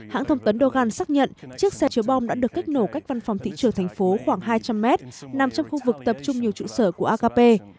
hãng thông tấn dogan xác nhận chiếc xe chứa bom đã được kích nổ cách văn phòng thị trưởng tp khoảng hai trăm linh m nằm trong khu vực tập trung nhiều trụ sở của akp